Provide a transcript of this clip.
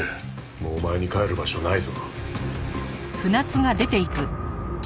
もうお前に帰る場所はないぞ。